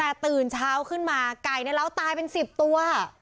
แต่ตื่นเช้าขึ้นมาไก่ในร้าวตายเป็น๑๐ตัว